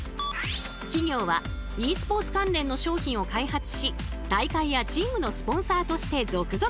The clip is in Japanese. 企業はｅスポーツ関連の商品を開発し大会やチームのスポンサーとして続々参入。